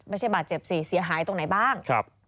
ไม่ใช่บาดเจ็บสิเสียหายตรงไหนบ้าง